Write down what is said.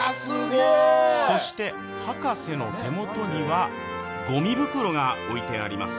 そして、博士の手元には、ごみ袋が置いてあります。